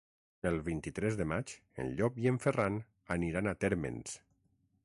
El vint-i-tres de maig en Llop i en Ferran aniran a Térmens.